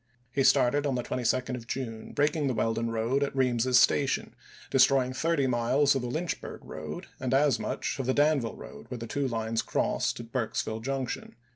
He started on the 22d of June, breaking the Weldon road at Reams's Station, destroying thirty miles of the Lynchburg road and as much of the Danville road, where the two lines crossed at Burkesville Junction.